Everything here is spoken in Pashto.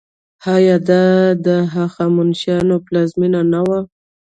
آیا دا د هخامنشیانو پلازمینه نه وه؟